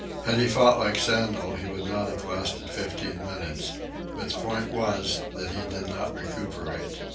Had he fought like Sandel, he would not have lasted fifteen minutes. But the point was that he did not recuperate.